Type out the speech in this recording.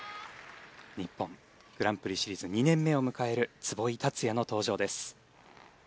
日本グランプリシリーズ２年目を迎える壷井達也の登場です。